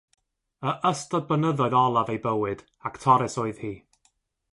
Y ystod blynyddoedd olaf ei bywyd, actores oedd hi.